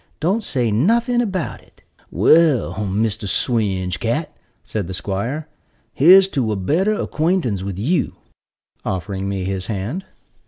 Don't say nothing about it." "Well, Mr. Swinge cat," said the 'squire, "here's to a better acquaintance with you," offering me his hand.